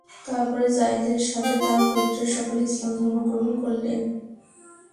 তারপর যায়েদের সাথে তার গোত্রের সকলে ইসলাম ধর্ম গ্রহণ করলেন।